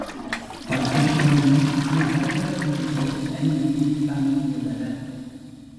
பட்டும், பொன்னும், அணிகலன்களும் விற்போர் தனிவீதியில் தங்கி இருந்தனர்.